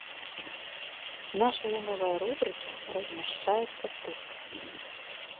Нашая новая рубрыка размяшчаецца тут.